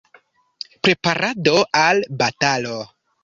Preparado al batalo.